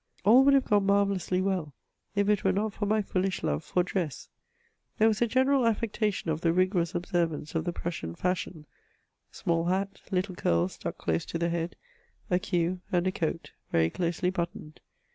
All would have gone marvellously well, if it were not for my foohsh love for dress ; there was a general affectation of the rigorous observance of the Prussian fashion : small hat, little curls stuck close to the head, a queue, and a coat, very closely buttoned.